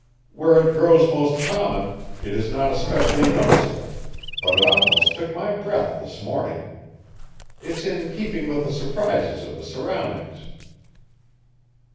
Where it grows most common, it is not especially noticeable; but it almost took my breath this morning. It's in keeping with the surprises of the surroundings."